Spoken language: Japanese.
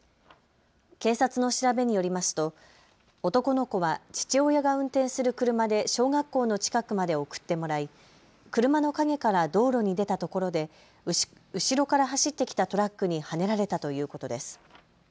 警察の調べによりますと男の子は父親が運転する車で小学校の近くまで送ってもらい車の陰から道路に出たところで後ろから走ってきたトラックにはねられたということです。